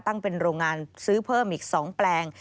ตั้งเป็นโรงงานซื้อเพิ่มอีก๒แปลง